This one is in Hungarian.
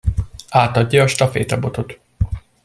Átadja a stafétabotot.